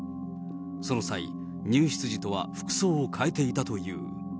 その際、入室時とは服装を変えていたという。